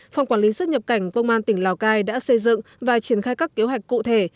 phòng quản lý xuất nhập cảnh công an tỉnh lào cai đã xây dựng và triển khai các kế hoạch cụ thể